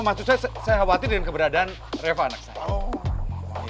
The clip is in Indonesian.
maksudnya saya khawatir dengan keberadaan reva anak saya